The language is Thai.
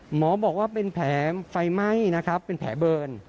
หมอบอกว่าเป็นแผลไฟไหม้นะครับเป็นแผลเบิร์น